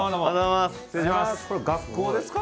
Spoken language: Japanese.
これ学校ですか？